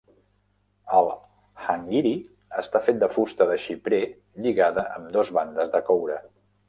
El "hangiri" està fet de fusta de xiprer lligada amb dos bandes de coure.